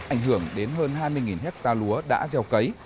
ảnh hưởng đến hơn hai mươi hectare lúa đã gieo cấy